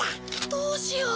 どうしよう。